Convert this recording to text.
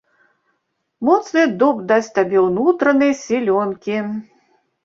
Моцны дуб дасць табе ўнутранай сілёнкі.